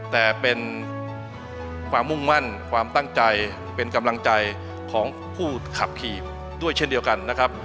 แต่เป็นความมุ่งมั่นความตั้งใจเป็นกำลังใจของผู้ขับขี่ด้วยเช่นเดียวกันนะครับ